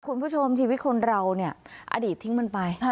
คุณผู้ชมชีวิตคนเราเนี่ยอดีตทิ้งมันไป